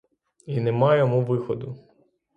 І нема йому виходу.